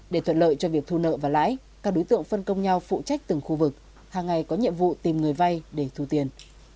để thuận lợi cho việc thu nợ và lãi các đối tượng phân công nhau phụ trách từng khu vực hàng ngày có nhiệm vụ tìm người vay để thu tiền